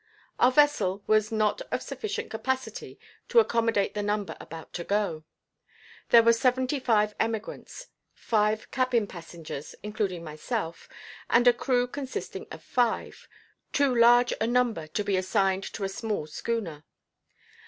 Our vessel was not of sufficient capacity to accommodate the number about to go. There were seventy five emigrants, five cabin passengers, including myself, and a crew consisting of five; too large a number to be assigned to a small schooner.